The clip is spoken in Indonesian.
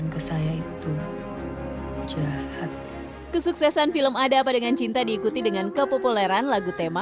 kesuksesan film ada apa dengan cinta diikuti dengan kepopuleran lagu tema